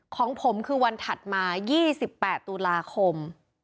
ของผมคือวันถัดมา๒๘ตุลาคม